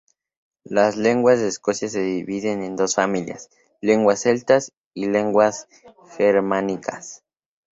Las lenguas de Escocia se dividen en dos familias: lenguas celtas y lenguas germánicas.